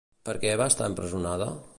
Per què va estar empresonada?